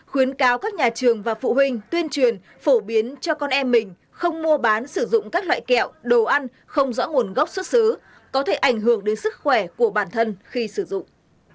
khuyến cáo các nhà trường và phụ huynh tuyên truyền phổ biến cho con em mình không mua bán sử dụng các loại kẹo đồ ăn không rõ nguồn gốc xuất xứ có thể ảnh hưởng đến sức khỏe của bản thân khi sử dụng